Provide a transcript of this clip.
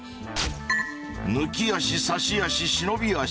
抜き足差し足忍び足。